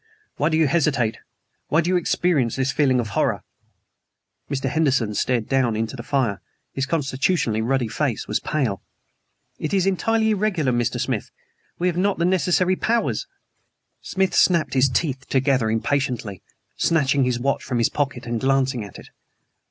Why do you hesitate? Why do you experience this feeling of horror?" Mr. Henderson stared down into the fire. His constitutionally ruddy face was pale. "It is entirely irregular, Mr. Smith. We have not the necessary powers " Smith snapped his teeth together impatiently, snatching his watch from his pocket and glancing at it.